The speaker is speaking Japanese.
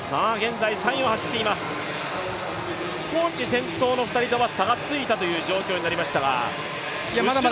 少し先頭の２人とは差がついたという状況になりましたが。